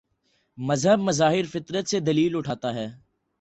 مذہب مظاہر فطرت سے دلیل اٹھاتا ہے۔